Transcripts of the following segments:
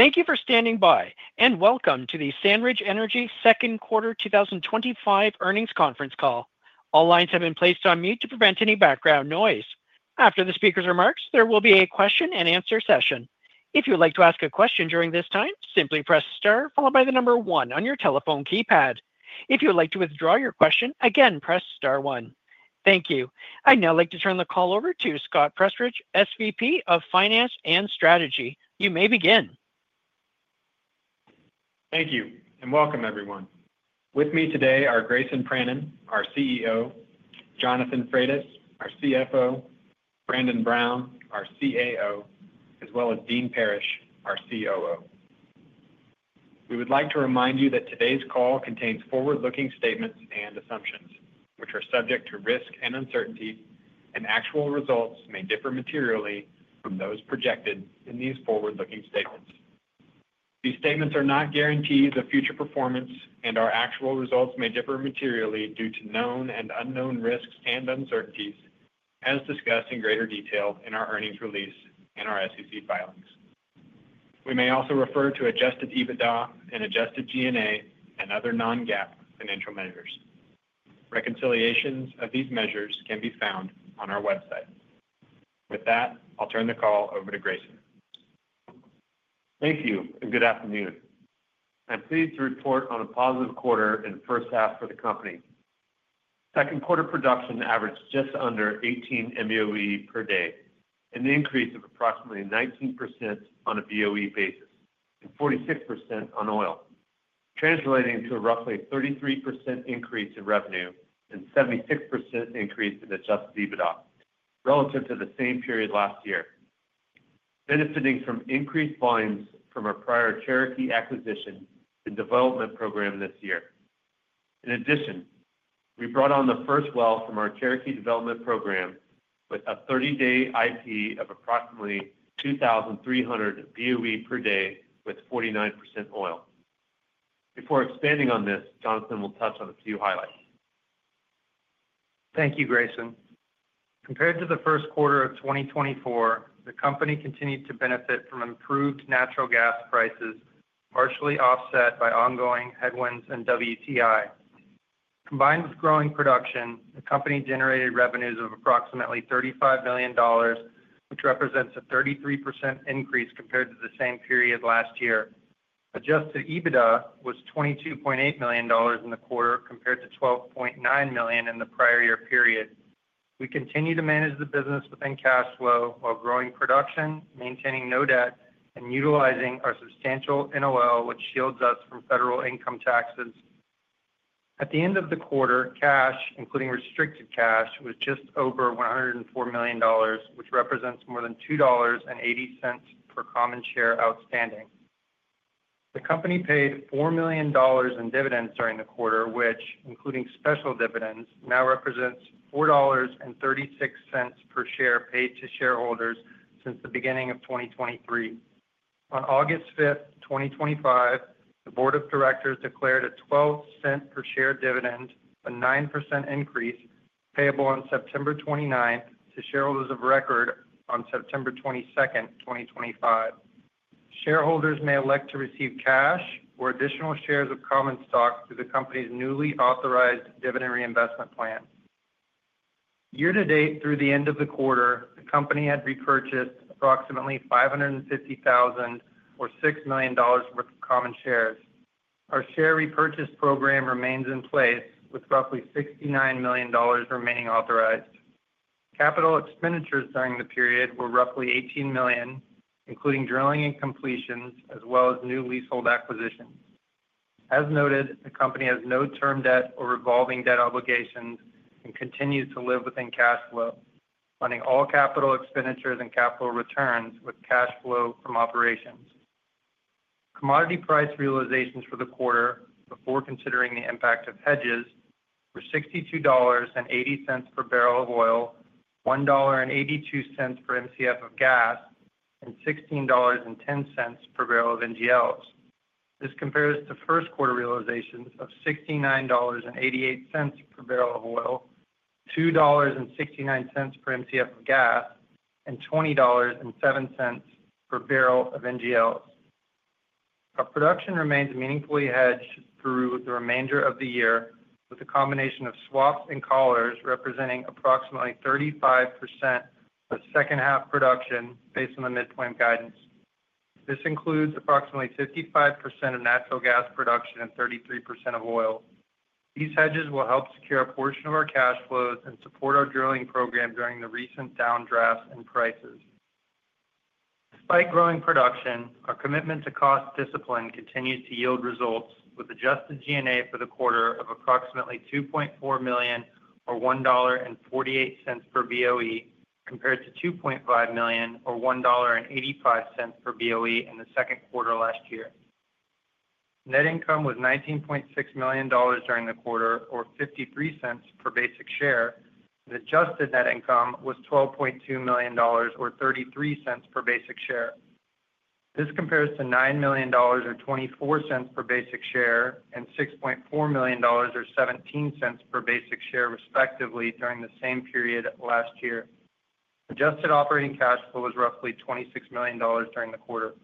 Thank you for standing by and welcome to the SandRidge Energy Second Quarter 2025 Earnings Conference Call. All lines have been placed on mute to prevent any background noise. After the speaker's remarks, there will be a question and answer session. If you would like to ask a question during this time, simply press star, followed by the number one on your telephone keypad. If you would like to withdraw your question, again, press star one. Thank you. I'd now like to turn the call over to Scott Prestridge, SVP of Finance and Strategy. You may begin. Thank you and welcome, everyone. With me today are Grayson Pranin, our CEO, Jonathan Frates, our CFO, Brandon Brown, our CAO, as well as Dean Parrish, our COO. We would like to remind you that today's call contains forward-looking statements and assumptions, which are subject to risk and uncertainty, and actual results may differ materially from those projected in these forward-looking statements. These statements are not guarantees of future performance, and our actual results may differ materially due to known and unknown risks and uncertainties, as discussed in greater detail in our earnings release and our SEC filings. We may also refer to adjusted EBITDA and adjusted G&A and other non-GAAP financial measures. Reconciliations of these measures can be found on our website. With that, I'll turn the call over to Grayson. Thank you and good afternoon. I'm pleased to report on a positive quarter in the first half for the company. Second quarter production averaged just under 18 MBOE per day, an increase of approximately 19% on a BOE basis and 46% on oil, translating to a roughly 33% increase in revenue and a 76% increase in adjusted EBITDA relative to the same period last year, benefiting from increased volumes from our prior Cherokee acquisition and development program this year. In addition, we brought on the first well from our Cherokee development program with a 30-day IP of approximately 2,300 BOE per day with 49% oil. Before expanding on this, Jonathan will touch on a few highlights. Thank you, Grayson. Compared to the first quarter of 2024, the company continued to benefit from improved natural gas prices, partially offset by ongoing headwinds in WTI. Combined with growing production, the company generated revenues of approximately $35 million, which represents a 33% increase compared to the same period last year. Adjusted EBITDA was $22.8 million in the quarter compared to $12.9 million in the prior year period. We continue to manage the business within cash flow while growing production, maintaining no debt, and utilizing our substantial NOL, which shields us from federal income taxes. At the end of the quarter, cash, including restricted cash, was just over $104 million, which represents more than $2.80 per common share outstanding. The company paid $4 million in dividends during the quarter, which, including special dividends, now represents $4.36 per share paid to shareholders since the beginning of 2023. On August 5, 2025, the Board of Directors declared a $0.12 per share dividend, a 9% increase payable on September 29 to shareholders of record on September 22, 2025. Shareholders may elect to receive cash or additional shares of common stock through the company's newly authorized dividend reinvestment plan. Year to date, through the end of the quarter, the company had repurchased approximately $550,000 or $6 million worth of common shares. Our share repurchase program remains in place, with roughly $69 million remaining authorized. Capital expenditures during the period were roughly $18 million, including drilling and completions, as well as new leasehold acquisitions. As noted, the company has no term debt or revolving debt obligations and continues to live within cash flow, funding all capital expenditures and capital returns with cash flow from operations. Commodity price realizations for the quarter, before considering the impact of hedges, were $62.80 per barrel of oil, $1.82 per MCF of gas, and $16.10 per barrel of NGLs. This compares to first quarter realizations of $69.88 per barrel of oil, $2.69 per MCF of gas, and $20.07 per barrel of NGLs. Our production remains meaningfully hedged through the remainder of the year, with a combination of swap and collars representing approximately 35% of second half production based on the midpoint guidance. This includes approximately 55% of natural gas production and 33% of oil. These hedges will help secure a portion of our cash flows and support our drilling program during the recent downdraft in prices. Despite growing production, our commitment to cost discipline continues to yield results with adjusted G&A for the quarter of approximately $2.4 million or $1.48 per BOE compared to $2.5 million or $1.85 per BOE in the second quarter last year. Net income was $19.6 million during the quarter or $0.53 per basic share, and adjusted net income was $12.2 million or $0.33 per basic share. This compares to $9 million or $0.24 per basic share and $6.4 million or $0.17 per basic share, respectively, during the same period last year. Adjusted operating cash flow was roughly $26 million during the quarter.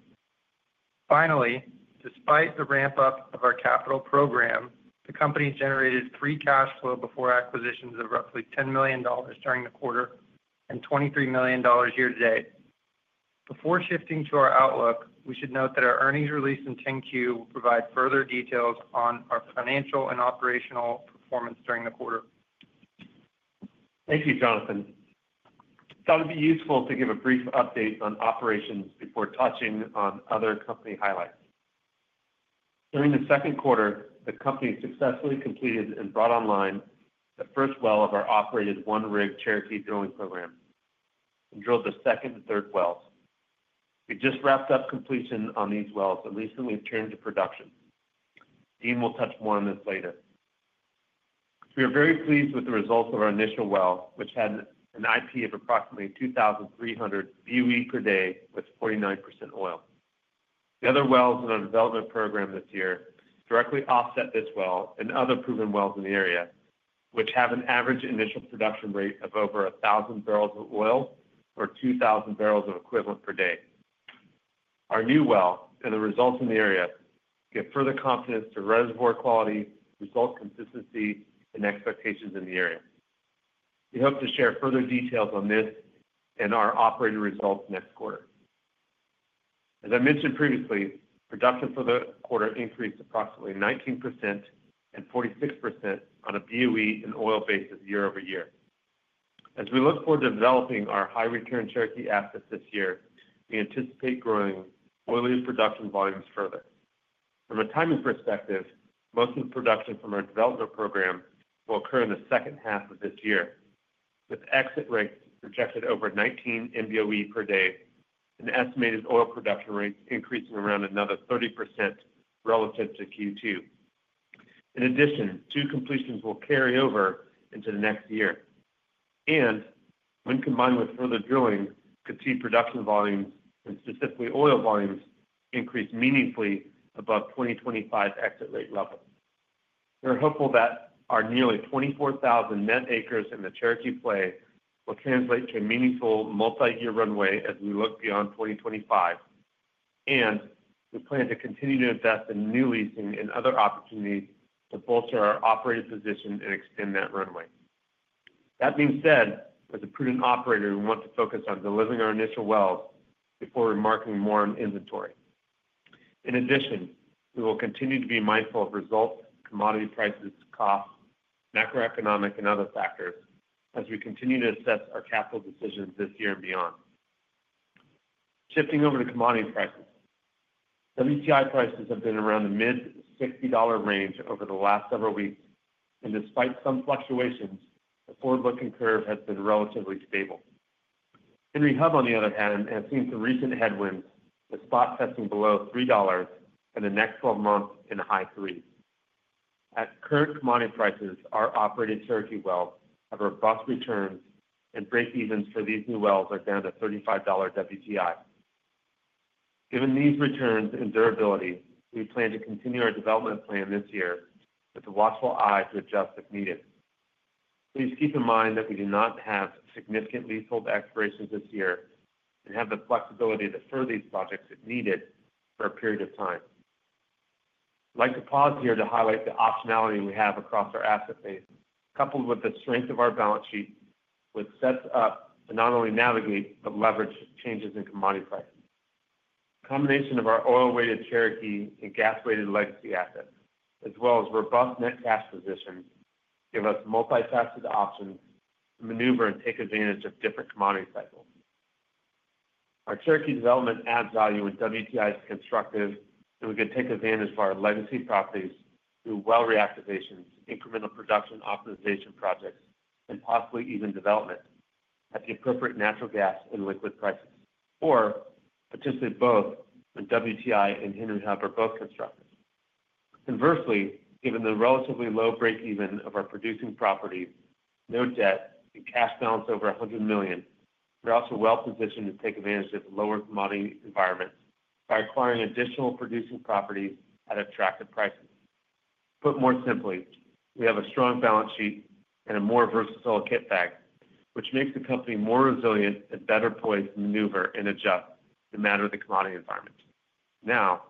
Finally, despite the ramp-up of our capital program, the company generated free cash flow before acquisitions of roughly $10 million during the quarter and $23 million year to date. Before shifting to our outlook, we should note that our earnings release and 10-Q will provide further details on our financial and operational performance during the quarter. Thank you, Jonathan. I thought it'd be useful to give a brief update on operations before touching on other company highlights. During the second quarter, the company successfully completed and brought online the first well of our operated one-rig Cherokee development program and drilled the second and third wells. We just wrapped up completion on these wells and recently have turned to production. Dean will touch more on this later. We are very pleased with the results of our initial well, which had an IP of approximately 2,300 BOE per day with 49% oil. The other wells in our development program this year directly offset this well and other proven wells in the area, which have an average initial production rate of over 1,000 barrels of oil or 2,000 barrels of equivalent per day. Our new well and the results in the area give further confidence to reservoir quality, result consistency, and expectations in the area. We hope to share further details on this and our operating results next quarter. As I mentioned previously, production for the quarter increased approximately 19% and 46% on a BOE and oil basis year-over-year. As we look forward to developing our high-return Cherokee assets this year, we anticipate growing oil production volumes further. From a timing perspective, most of the production from our development program will occur in the second half of this year, with exit rates projected over 19 MBOE per day and estimated oil production rates increasing around another 30% relative to Q2. In addition, two completions will carry over into the next year, and when combined with further drilling, we could see production volumes and specifically oil volumes increase meaningfully above 2025 exit rate levels. We are hopeful that our nearly 24,000 net acres in the Cherokee play will translate to a meaningful multi-year runway as we look beyond 2025, and we plan to continue to invest in new leasing and other opportunities to bolster our operating position and extend that runway. That being said, as a prudent operator, we want to focus on delivering our initial wells before remarking more on inventory. In addition, we will continue to be mindful of results, commodity prices, costs, macroeconomic, and other factors as we continue to assess our capital decisions this year and beyond. Shifting over to commodity prices, WTI prices have been around the mid-$60 range over the last several weeks, and despite some fluctuations, the forward-looking curve has been relatively stable. Henry Hub, on the other hand, has seen some recent headwinds, with spot testing below $3 in the next 12 months and a high three. At current commodity prices, our operated Cherokee wells have robust returns, and breakevens for these new wells are down to $35 WTI. Given these returns and durability, we plan to continue our development plan this year with a watchful eye to adjust if needed. Please keep in mind that we do not have significant leasehold expirations this year and have the flexibility to defer these profits if needed for a period of time. I'd like to pause here to highlight the optionality we have across our asset base, coupled with the strength of our balance sheet, which sets up to not only navigate but leverage changes in commodity prices. The combination of our oil-weighted Cherokee and gas-weighted legacy assets, as well as robust net cash positions, gives us multifaceted options to maneuver and take advantage of different commodity cycles. Our Cherokee development adds value when WTI is constructive, and we could take advantage of our legacy properties through well reactivations, incremental production optimization projects, and possibly even development at the appropriate natural gas and liquid prices, or potentially both when WTI and Henry Hub are both constructive. Conversely, given the relatively low breakeven of our producing properties, no debt, and cash balance over $100 million, we're also well-positioned to take advantage of the lower commodity environments by acquiring additional producing properties at attractive prices. Put more simply, we have a strong balance sheet and a more versatile kit bag, which makes the company more resilient and better poised to maneuver and adjust in a matter of the commodity environment. Now,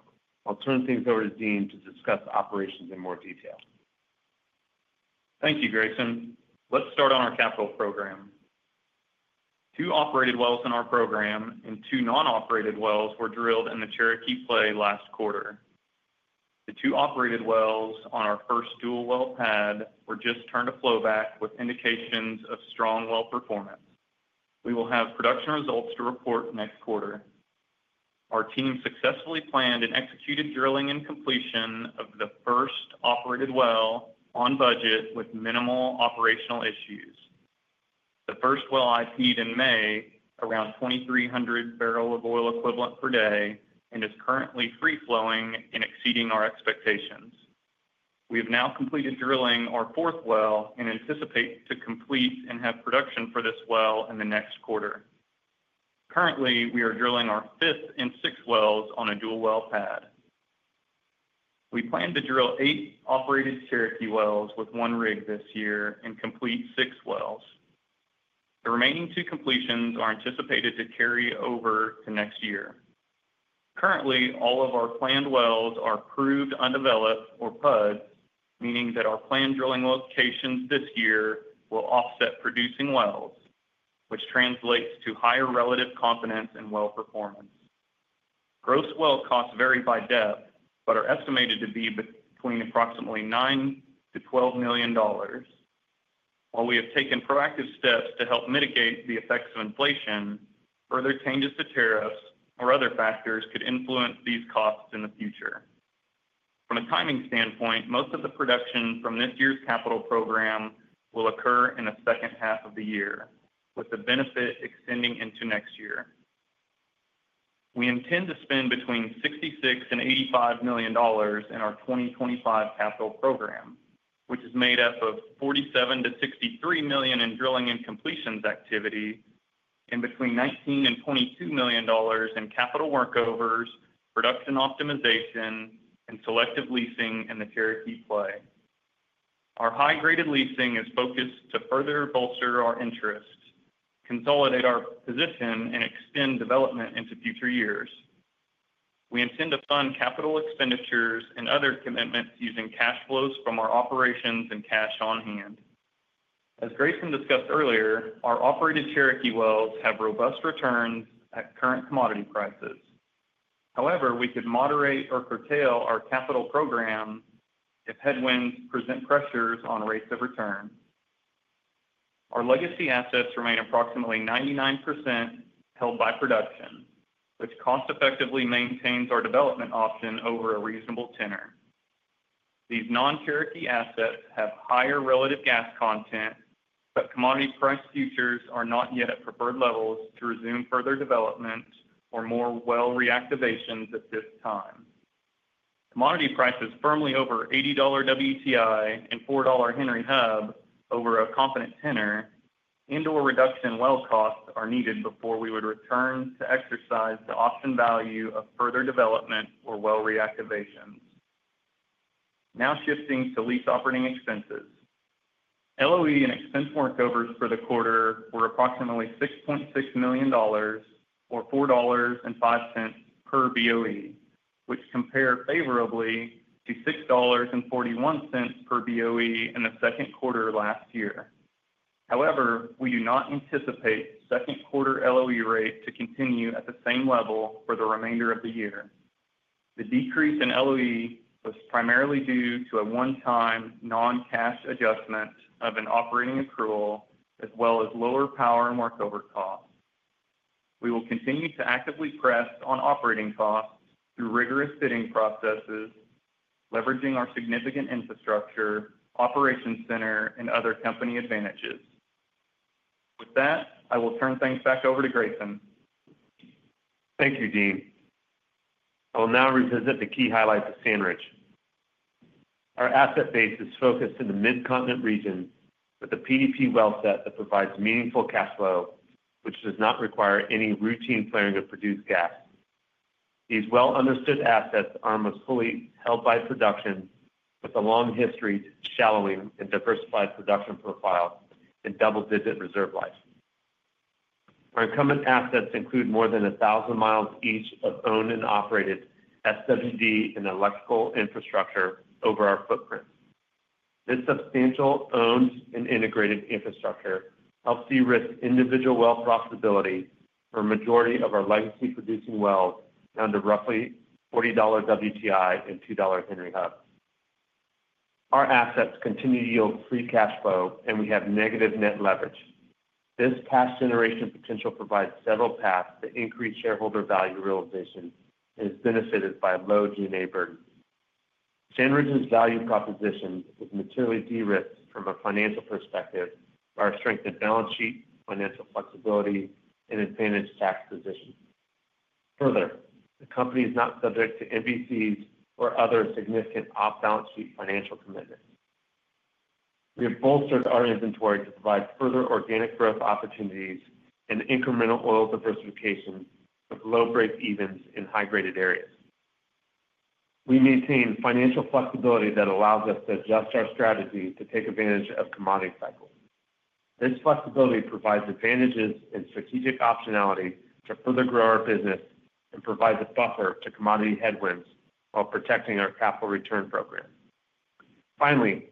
I'll turn things over to Dean to discuss operations in more detail. Thank you, Grayson. Let's start on our capital program. Two operated wells in our program and two non-operated wells were drilled in the Cherokee play last quarter. The two operated wells on our first dual well pad were just turned to flow back with indications of strong well performance. We will have production results to report next quarter. Our team successfully planned and executed drilling and completion of the first operated well on budget with minimal operational issues. The first well IP'd in May, around 2,300 barrels of oil equivalent per day, and is currently free-flowing and exceeding our expectations. We have now completed drilling our fourth well and anticipate to complete and have production for this well in the next quarter. Currently, we are drilling our fifth and sixth wells on a dual well pad. We plan to drill eight operated Cherokee wells with one rig this year and complete six wells. The remaining two completions are anticipated to carry over to next year. Currently, all of our planned wells are approved undeveloped or PUD, meaning that our planned drilling locations this year will offset producing wells, which translates to higher relative confidence and well performance. Gross well costs vary by depth but are estimated to be between approximately $9 million-$12 million. While we have taken proactive steps to help mitigate the effects of inflation, further changes to tariffs or other factors could influence these costs in the future. From a timing standpoint, most of the production from this year's capital program will occur in the second half of the year, with the benefit extending into next year. We intend to spend between $66 million and $85 million in our 2025 capital program, which is made up of $47 million-$63 million in drilling and completions activity and between $19 million and $22 million in capital workovers, production optimization, and selective leasing in the Cherokee play. Our high-graded leasing is focused to further bolster our interests, consolidate our position, and extend development into future years. We intend to fund capital expenditures and other commitments using cash flows from our operations and cash on hand. As Grayson discussed earlier, our operated Cherokee wells have robust returns at current commodity prices. However, we could moderate or curtail our capital program if headwinds present pressures on rates of return. Our legacy assets remain approximately 99% held by production, which cost-effectively maintains our development option over a reasonable tenor. These non-Cherokee assets have higher relative gas content. Commodity price futures are not yet at preferred levels to resume further development or more well reactivations at this time. Commodity prices firmly over $80 WTI and $4 Henry Hub over a competent tenor and/or reduction in well costs are needed before we would return to exercise the option value of further development or well reactivations. Now shifting to lease operating expenses. LOE and expense workovers for the quarter were approximately $6.6 million or $4.05 per BOE, which compared favorably to $6.41 per BOE in the second quarter of last year. However, we do not anticipate the second quarter LOE rate to continue at the same level for the remainder of the year. The decrease in LOE was primarily due to a one-time non-cash adjustment of an operating accrual, as well as lower power and workover costs. We will continue to actively press on operating costs through rigorous bidding processes, leveraging our significant infrastructure, operations center, and other company advantages. With that, I will turn things back over to Grayson. Thank you, Dean. I will now revisit the key highlights of SandRidge. Our asset base is focused in the Mid-Continent region with a PDP well set that provides meaningful cash flow, which does not require any routine clearing of produced gas. These well-understood assets are almost fully held by production with a long history of shallowing and diversified production profiles and double-digit reserve life. Our incumbent assets include more than 1,000 mi each of owned and operated SWD and electrical infrastructure over our footprint. This substantial owned and integrated infrastructure helps de-risk individual well profitability for a majority of our legacy producing wells down to roughly $40 WTI and $2 Henry Hub. Our assets continue to yield free cash flow, and we have negative net leverage. This cash generation potential provides several paths to increase shareholder value realization and is benefited by a low G&A burden. SandRidge's value proposition is materially de-risked from a financial perspective by our strengthened balance sheet, financial flexibility, and advantaged tax position. Further, the company is not subject to NVCs or other significant off-balance sheet financial commitments. We have bolstered our inventory to provide further organic growth opportunities and incremental oil diversification with low breakevens in high-graded areas. We maintain financial flexibility that allows us to adjust our strategy to take advantage of commodity cycles. This flexibility provides advantages and strategic optionality to further grow our business and provide the buffer to commodity headwinds while protecting our capital return program. Finally,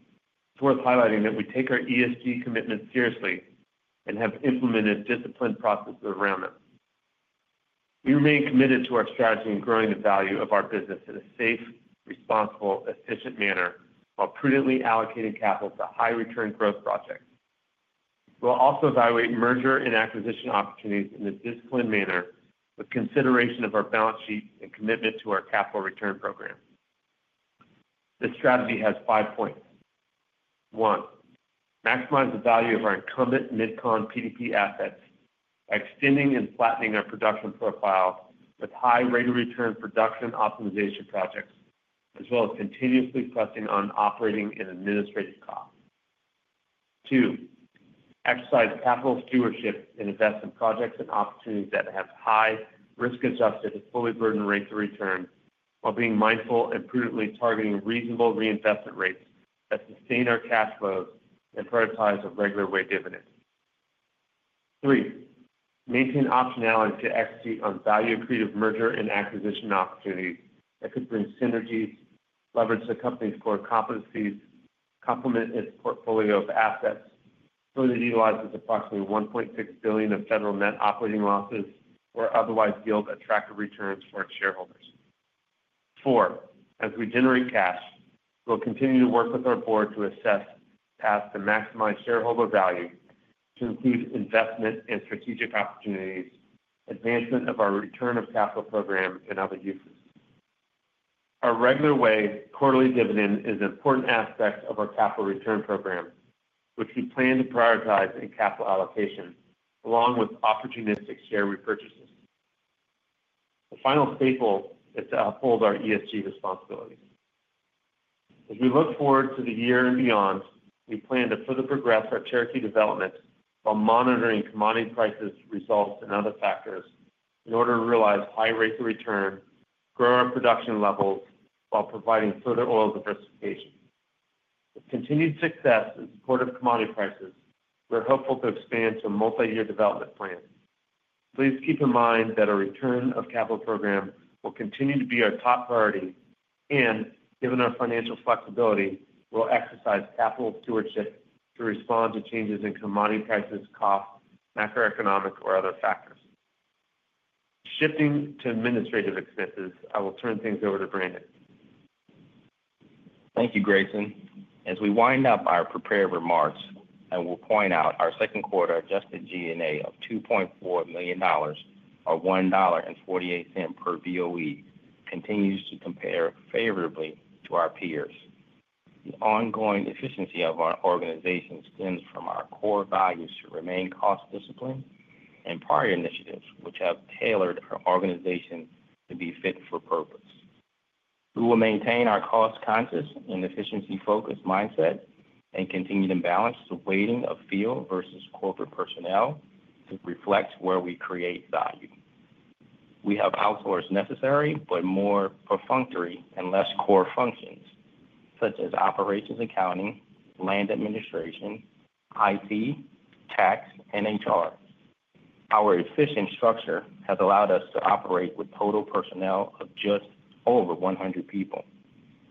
it's worth highlighting that we take our ESG commitments seriously and have implemented disciplined processes around them. We remain committed to our strategy and growing the value of our business in a safe, responsible, efficient manner while prudently allocating capital to high-return growth projects. We'll also evaluate mergers and acquisitions opportunities in a disciplined manner with consideration of our balance sheet and commitment to our capital return program. This strategy has five points. One, maximize the value of our incumbent Mid-Con PDP assets by extending and flattening our production profile with high rate of return production optimization projects, as well as continuously pressing on operating and administrative costs. Two, exercise capital stewardship and invest in projects and opportunities that have high risk-adjusted to fully burdened rates of return while being mindful and prudently targeting reasonable reinvestment rates that sustain our cash flows and prioritize a regular way dividend. Three, maintain optionality to execute on value-accretive mergers and acquisitions opportunities that could bring synergies, leverage the company's core competencies, complement its portfolio of assets, so that it utilizes approximately $1.6 billion of federal net operating losses or otherwise yield attractive returns for its shareholders. Four, as we generate cash, we'll continue to work with our Board to assess paths to maximize shareholder value to include investment and strategic opportunities, advancement of our return of capital program, and other uses. Our regular way quarterly dividend is an important aspect of our capital return program, which we plan to prioritize in capital allocation, along with opportunistic share repurchases. The final staple is to uphold our ESG responsibility. As we look forward to the year and beyond, we plan to further progress our Cherokee development while monitoring commodity prices, results, and other factors in order to realize high rates of return, grow our production levels while providing further oil diversification. With continued success in the support of commodity prices, we're hopeful to expand to a multi-year development plan. Please keep in mind that our return of capital program will continue to be our top priority, and given our financial flexibility, we'll exercise capital stewardship to respond to changes in commodity prices, costs, macroeconomic, or other factors. Shifting to administrative expenses, I will turn things over to Brandon. Thank you, Grayson. As we wind up our prepared remarks, I will point out our second quarter adjusted G&A of $2.4 million, or $1.48 per BOE, continues to compare favorably to our peers. The ongoing efficiency of our organization stems from our core values to remain cost disciplined and prior initiatives, which have tailored our organization to be fit for purpose. We will maintain our cost-conscious and efficiency-focused mindset and continue to balance the weighting of field versus corporate personnel to reflect where we create value. We have households necessary, but more perfunctory and less core functions, such as operations accounting, land administration, IT, tax, and HR. Our efficient structure has allowed us to operate with total personnel of just over 100 people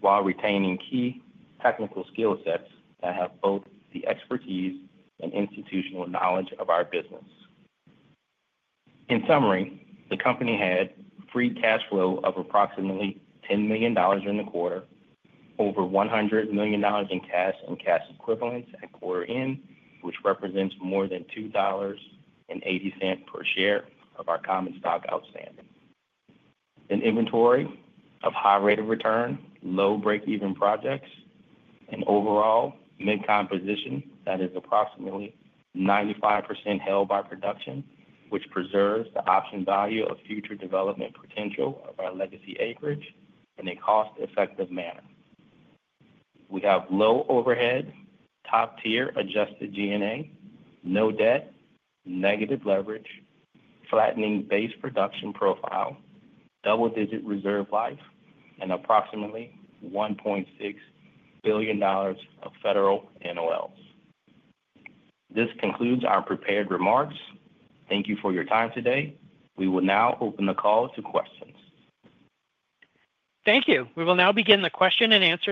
while retaining key technical skill sets that have both the expertise and institutional knowledge of our business. In summary, the company had free cash flow of approximately $10 million in the quarter, over $100 million in cash and cash equivalents at quarter end, which represents more than $2.80 per share of our common stock outstanding. An inventory of high rate of return, low breakeven projects, and overall Mid-Con position that is approximately 95% held by production, which preserves the option value of future development potential of our legacy acreage in a cost-effective manner. We have low overhead, top-tier adjusted G&A, no debt, negative leverage, flattening base production profile, double-digit reserve life, and approximately $1.6 billion of federal NOLs. This concludes our prepared remarks. Thank you for your time today. We will now open the call to questions. Thank you. We will now begin the question and answer.